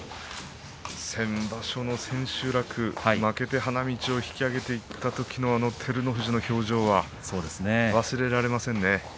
先場所の千秋楽負けて、花道を引き揚げていったときの照ノ富士の表情は忘れられませんね。